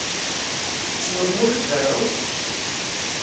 Tessneḍ Mulud Ferɛun?